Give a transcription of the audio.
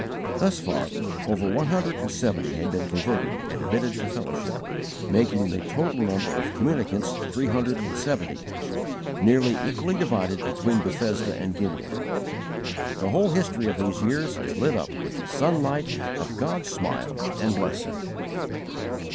Thus far over one hundred and seventy had been converted and admitted to fellowship, making the total number of communicants three hundred and seventy, nearly equally divided between Bethesda and Gideon. The whole history of these years is lit up with the sunlight of God's smile and blessing.